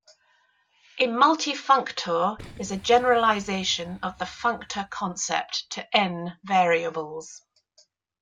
A multifunctor is a generalization of the functor concept to "n" variables.